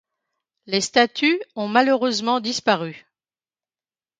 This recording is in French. Les statues ont malheureusement disparu.